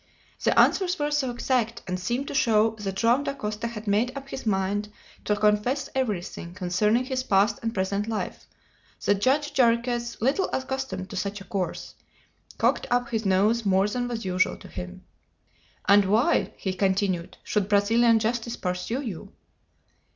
The answers were so exact, and seemed to show that Joam Dacosta had made up his mind to confess everything concerning his past and present life, that Judge Jarriquez, little accustomed to such a course, cocked up his nose more than was usual to him. "And why," he continued, "should Brazilian justice pursue you?"